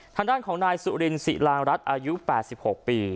ทางด้านของนายสุรินศิลารัฐอายุ๘๖ปี